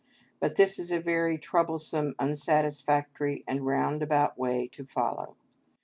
But this is a very troublesome, unsatisfactory, and roundabout way to follow.